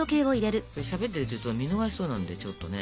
しゃべってると見逃しそうなんでちょっとね。